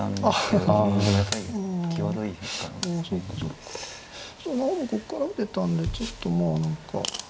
そうここから打てたんでちょっとまあ何か。